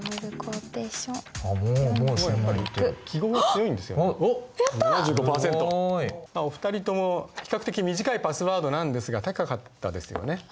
すごい！お二人とも比較的短いパスワードなんですが高かったですよね。